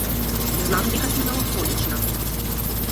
Знам дека си мелахонична.